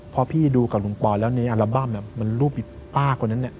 พอพี่ดูกับลุงปอยแล้วในอัลบั้มมันรูปป้าคนนั้นเนี่ย